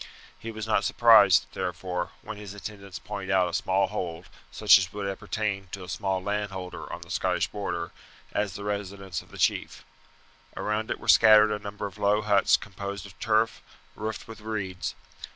He was not surprised, therefore, when his attendants pointed out a small hold, such as would appertain to a small landowner on the Scottish Border, as the residence of the chief. Around it were scattered a number of low huts composed of turf, roofed with reeds.